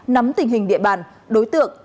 nắm tình hình địa bàn đối tượng